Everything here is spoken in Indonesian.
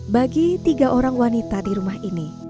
bagi tiga orang wanita di rumah ini